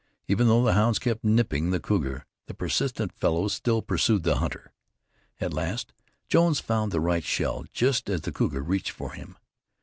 Even though the hounds kept nipping the cougar, the persistent fellow still pursued the hunter. At last Jones found the right shell, just as the cougar reached for him.